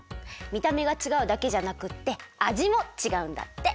みためがちがうだけじゃなくってあじもちがうんだって。